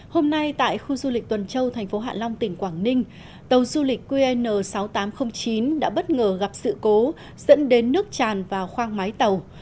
hôm nay tại khu du lịch tuần châu thành phố hạ long tỉnh quảng ninh tàu du lịch qn sáu nghìn tám trăm linh chín đã bất ngờ gặp sự cố dẫn đến nước tràn vào khoang máy tàu